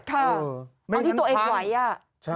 ค่ะเอาที่ตัวเองไหว